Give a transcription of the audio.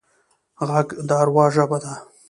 غږ د اروا ژبه ده